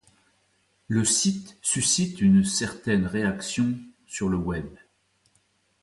Le site suscite une certaine réaction sur le web.